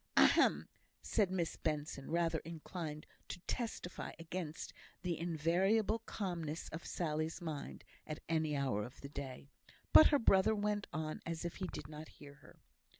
"Ahem!" said Miss Benson, rather inclined to "testify" against the invariable calmness of Sally's mind at any hour of the day; but her brother went on as if he did not hear her.